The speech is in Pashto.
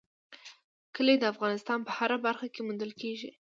کلي د افغانستان په هره برخه کې موندل کېږي.